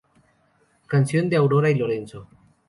Canción de Aurora y Lorenzo.